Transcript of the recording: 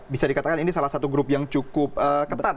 bisa dikatakan ini salah satu grup yang cukup ketat